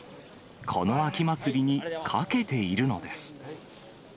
この秋まつりに、かけているのです。